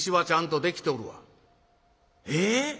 「ええ？